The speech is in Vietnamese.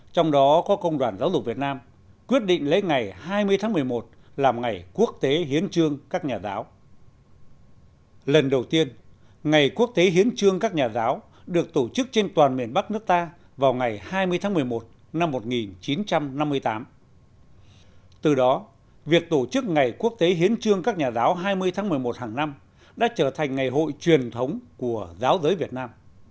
trong những năm kháng chiến chống thực dân pháp xâm lược công đoàn giáo dục việt nam đã liên hệ với các nhà giáo của các nước xã hội chủ nghĩa